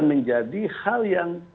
menjadi hal yang